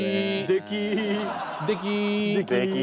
でき！